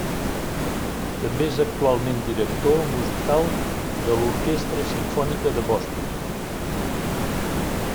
També és actualment director musical de l'Orquestra Simfònica de Boston.